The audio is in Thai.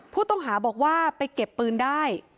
ผู้ต้องหาบอกว่าไปเก็บปืนได้